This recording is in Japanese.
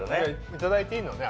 いただいていいのね？